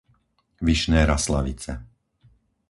Vyšné Raslavice